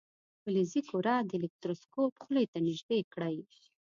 فلزي کره د الکتروسکوپ خولې ته نژدې کړئ.